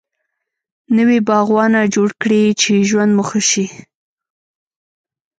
نوي باغوانه جوړ کړي چی ژوند مو ښه سي